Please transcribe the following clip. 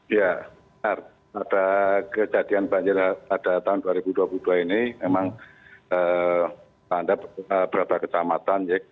ya pada kejadian banjir pada tahun dua ribu dua puluh dua ini memang ada beberapa kecamatan